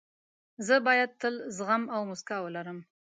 زه باید تل زغم او موسکا ولرم.